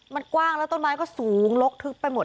มันกว้างแล้วต้นไม้ก็สูงลกทึกไปหมด